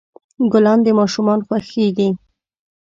ګلان د ماشومان خوښیږي.